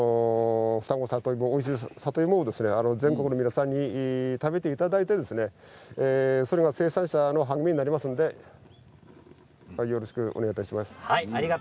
おいしい二子さといもを全国の皆さんに食べていただいてそれが生産者の励みになりますのでよろしくお願いいたします。